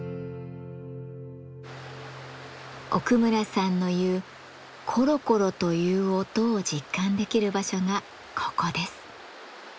奥村さんの言う「コロコロという音」を実感できる場所がここです。